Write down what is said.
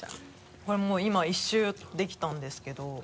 これもう今一周できたんですけど。